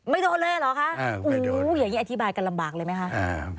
โดนเลยเหรอคะอย่างนี้อธิบายกันลำบากเลยไหมคะ